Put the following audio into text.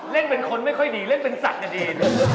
เล่นเป็นคนไม่ค่อยดีเล่นเป็นสัตว์ดี